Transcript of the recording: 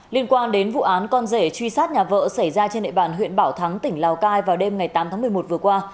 liên quan đến vụ án con rể truy sát nhà vợ xảy ra trên nệ bàn huyện bảo thắng tỉnh lào cai vào đêm ngày tám tháng một mươi một vừa qua